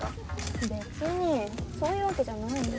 別にそういうわけじゃないよ。